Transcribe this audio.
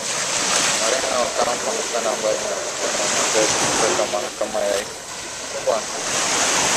moreno ocampo amekwenda mbali na kusema majaji kutoka mahakama ya icc